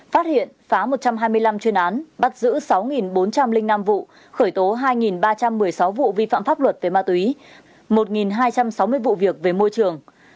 phát hiện phá một trăm hai mươi năm chuyên án bắt giữ sáu bốn trăm linh năm vụ khởi tố hai ba trăm một mươi sáu vụ vi phạm pháp luật về ma túy một hai trăm sáu mươi vụ việc về môi trường